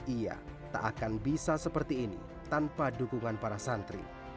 ia tak akan bisa seperti ini tanpa dukungan para santri